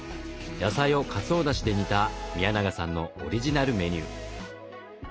野菜をかつおだしで煮た宮永さんのオリジナルメニュー。